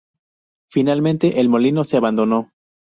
Finalmente, el molino se abandonó.